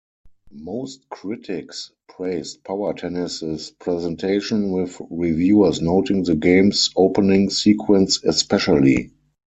Most critics praised "Power Tennis"s presentation, with reviewers noting the game's opening sequence especially.